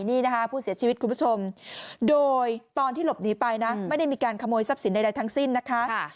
นี่นะคะผู้เสียชีวิตคุณผู้ชมโดยตอนที่หลบหนีไปนะไม่ได้มีการขโมยทรัพย์สินใดทั้งสิ้นนะคะ